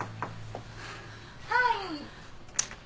はい。